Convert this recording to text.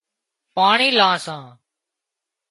پاڻي لان سان